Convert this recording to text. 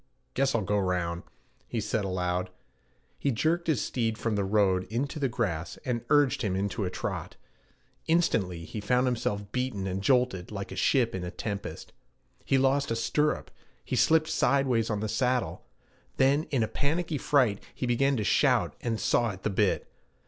Guess I'll go round,' he said aloud. He jerked his steed from the road into the grass, and urged him into a trot. Instantly he found himself beaten and jolted like a ship in a tempest. He lost a stirrup, he slipped sidewise on the saddle; then in a panicky fright he began to shout and saw at the bit.